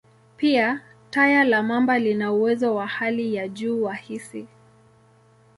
Pia, taya la mamba lina uwezo wa hali ya juu wa hisi.